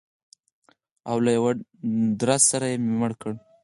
او له یوه ډزه سره یې مړ کړ.